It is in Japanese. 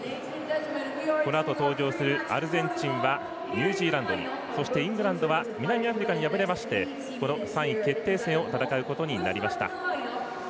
このあと登場するアルゼンチンはニュージーランドにそして、イングランドは南アフリカに敗れましてこの３位決定戦を戦うことになりました。